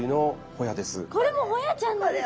これもホヤちゃんなんですか？